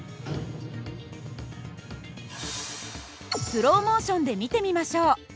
スローモーションで見てみましょう。